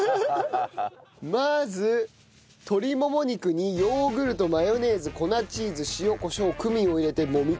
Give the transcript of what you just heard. まず鶏もも肉にヨーグルトマヨネーズ粉チーズ塩コショウクミンを入れてもみ込む。